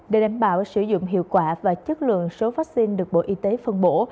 để đảm bảo sử dụng hiệu quả và chất lượng số vaccine được bộ y tế phân bổ